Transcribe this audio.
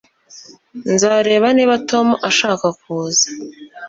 Nzareba niba Tom ashaka kuza